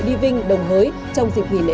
đi vinh đồng hới trong dịch vỉ lễ